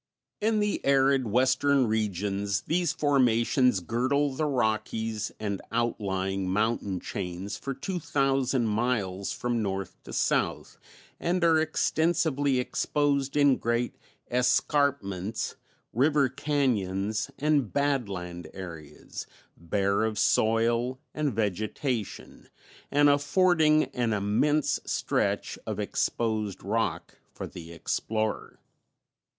In the arid Western regions these formations girdle the Rockies and outlying mountain chains for two thousand miles from north to south, and are extensively exposed in great escarpments, river cañons and "badland" areas, bare of soil and vegetation and affording an immense stretch of exposed rock for the explorer.